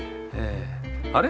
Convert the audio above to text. あれ？